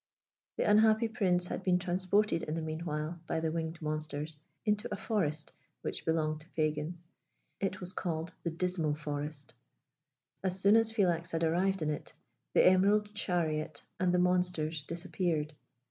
That unhappy Prince had been transported in the meanwhile, by the winged monsters, into a forest which belonged to Pagan. It was called the Dismal Forest. As soon as Philax had arrived in it, the emerald chariot and the monsters disappeared.